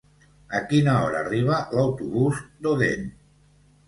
A quina hora arriba l'autobús d'Odèn?